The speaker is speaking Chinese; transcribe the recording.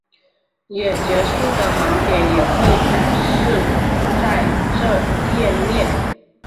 也结束的航点也会展示在这页面。